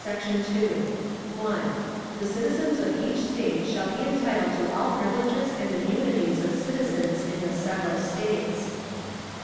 Section 2. 1. The citizens of each State shall be entitled to all privileges and immunities of citizens in the several States.